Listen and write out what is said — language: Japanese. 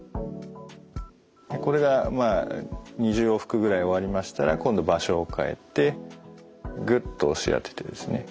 これがまあ２０往復ぐらい終わりましたら今度場所を変えてグッと押し当ててですね